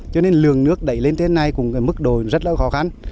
cho nên lường nước đẩy lên thế này cũng mức đổi rất là khó khăn